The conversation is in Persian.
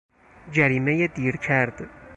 جریمهی دیرکرد